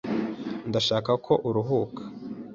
Ndashaka ko uruhuka.